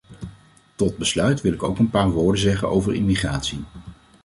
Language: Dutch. Tot besluit wil ik ook een paar woorden zeggen over immigratie.